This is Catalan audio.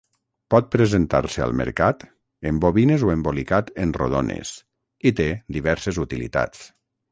Pot presentar-se al mercat en bobines o embolicat en rodones i té diverses utilitats.